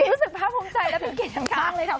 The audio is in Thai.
รู้สึกภาพภูมิใจและเผ็ดเกลียดข้างเลยครับ